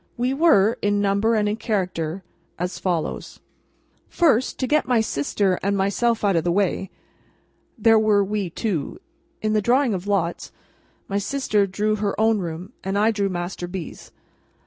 We were, in number and in character, as follows: First—to get my sister and myself out of the way—there were we two. In the drawing of lots, my sister drew her own room, and I drew Master B.'s.